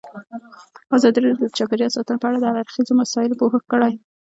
ازادي راډیو د چاپیریال ساتنه په اړه د هر اړخیزو مسایلو پوښښ کړی.